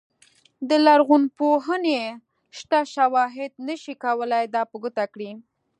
د لرغونپوهنې شته شواهد نه شي کولای دا په ګوته کړي.